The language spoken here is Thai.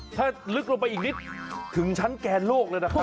ถ้าลึกลงไปอีกนิดถึงชั้นแกนโลกเลยนะครับ